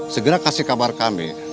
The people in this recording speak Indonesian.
segera kasih kabar kami